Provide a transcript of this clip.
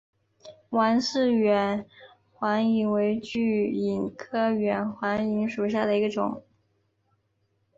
王氏远环蚓为巨蚓科远环蚓属下的一个种。